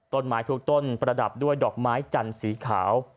ต้นไม้ทุกต้นประดับด้วยดอกไม้จันทร์สีขาว